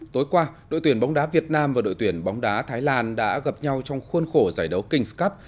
tối qua đội tuyển bóng đá việt nam và đội tuyển bóng đá thái lan đã gặp nhau trong khuôn khổ giải đấu kings cup